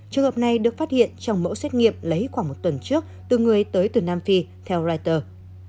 trường hợp này được phát hiện trong mẫu xét nghiệm lấy khoảng một tuần trước từ người tới từ nam phi theo reuters